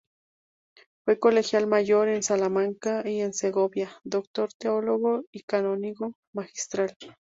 Fue colegial mayor en Salamanca, y en Segovia, doctor teólogo y canónigo magistral.